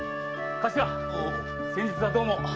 頭先日はどうも！